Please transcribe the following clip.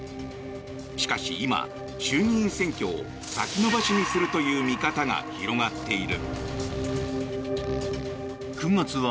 しかし、今、衆議院選挙を先延ばしにするという見方が広がっている。